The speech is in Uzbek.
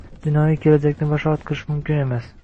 Jinoiy kelajakni bashorat qilish mumkin emas.